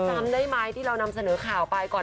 จำได้ไหมที่เรานำเสนอข่าวไปก่อน